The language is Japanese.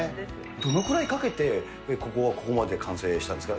どのぐらいかけてここが、ここまで完成したんですか？